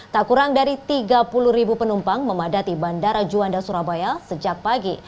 tak kurang dari tiga puluh ribu penumpang memadati bandara juanda surabaya sejak pagi